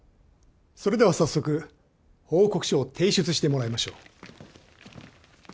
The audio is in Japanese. それでは早速報告書を提出してもらいましょう。